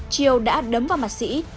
triều đã đấm vào mặt sĩ